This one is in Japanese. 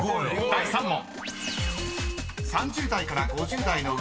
［第３問］